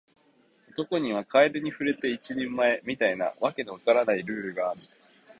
男にはカエルに触れて一人前、みたいな訳の分からないルールがある